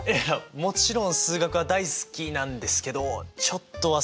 もちろん数学は大好きなんですけどちょっと忘れちゃったこともあって。